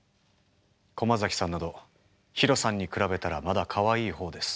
駒崎さんなどヒロさんに比べたらまだかわいい方です。